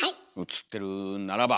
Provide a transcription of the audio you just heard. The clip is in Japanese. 映ってるならば！